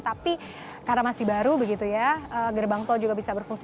tapi karena masih baru begitu ya gerbang tol juga bisa berfungsi